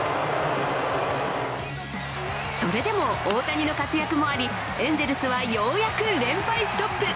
それでも、大谷の活躍もありエンゼルスはようやく連敗ストップ。